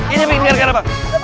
itu pak ada pak arief